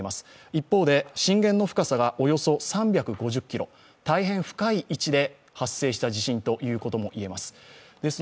一方で、震源の深さがおよそ３５０ｋｍ、大変深い位置で発生した地震とも言えます。